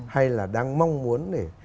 hay là đang mong muốn để